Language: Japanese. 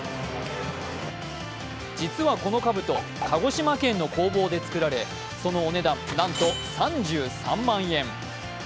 実はこのかぶと、鹿児島県の工房で作られそのお値段、なんと３３万円。